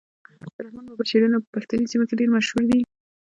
د رحمان بابا شعرونه په پښتني سیمو کي ډیر مشهور دي.